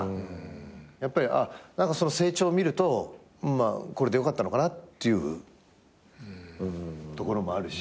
やっぱりその成長見るとこれで良かったのかなっていうところもあるし。